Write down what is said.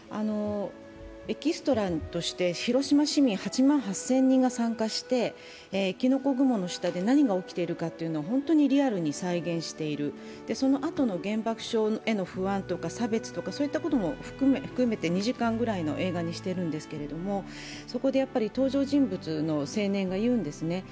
エキストラとして広島市民８万８０００人が参加してきのこ雲の下で何が起きてるかって本当にリアルに再現している、そのあと原爆症への不安とか差別とかそういったことも含めて２時間ぐらいの映画にしてるんですけれども、そこで登場人物の青年が言うんですね。